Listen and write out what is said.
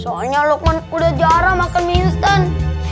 soalnya lukman udah jarang makan minsan